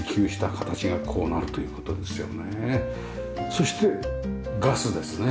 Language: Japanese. そしてガスですね